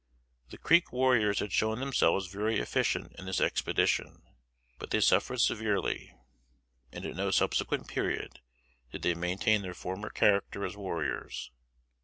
The Creek warriors had shown themselves very efficient in this expedition, but they suffered severely; and at no subsequent period did they maintain their former character as warriors.